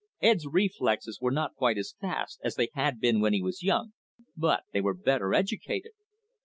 Ed's reflexes were not quite as fast as they had been when he was young, but they were better educated.